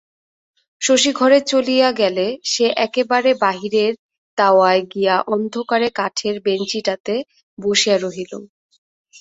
শশী ঘরে চলিয়া গেলে সে একেবারে বাহিরের দাওয়ায় গিয়া অন্ধকারে কাঠের বেঞ্চিটাতে বসিয়া রহিল।